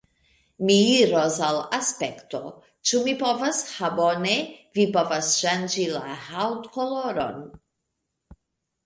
Mi iros al Aspekto. Ĉu mi povas... ha bone! Vi povas ŝanĝi la haŭtkoloron.